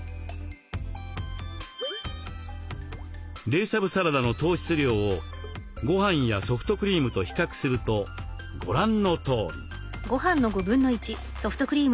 冷しゃぶサラダの糖質量をごはんやソフトクリームと比較するとご覧のとおり。